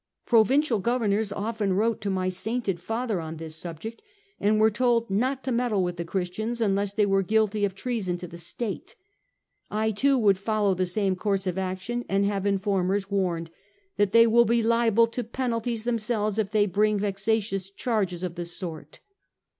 Provincial governors often wrote to my sainted father on this subject, and were told not to meddle with the Christians unless they were guilty of treason to the state. I too would follow the same course of action, and have informers warned that they will be liable to penalties themselves if they bring vexatious charges of the sort.